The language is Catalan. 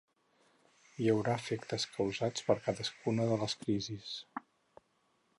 Hi haurà efectes causats per cadascuna de les crisis.